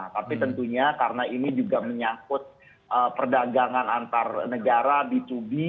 tapi tentunya karena ini juga menyangkut perdagangan antar negara b dua b